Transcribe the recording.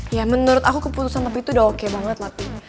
ya menurut aku keputusan papi tuh udah oke banget ma pi